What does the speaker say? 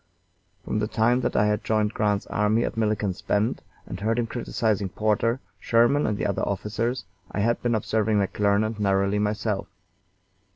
From the time that I had joined Grant's army at Milliken's Bend and heard him criticising Porter, Sherman, and other officers, I had been observing McClernand narrowly myself.